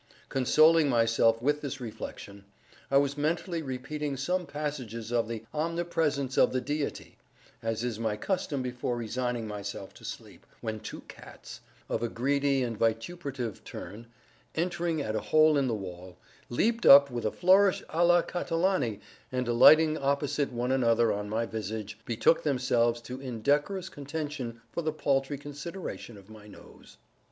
Consoling myself with this reflection, I was mentally repeating some passages of the "Omnipresence of the Deity," as is my custom before resigning myself to sleep, when two cats, of a greedy and vituperative turn, entering at a hole in the wall, leaped up with a flourish a la Catalani, and alighting opposite one another on my visage, betook themselves to indecorous contention for the paltry consideration of my nose.